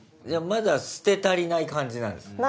まだ捨て足りない感じなんですね。